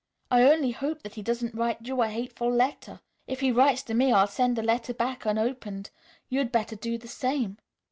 I only hope that he doesn't write you a hateful letter. If he writes to me, I'll send the letter back unopened. You'd better do the same."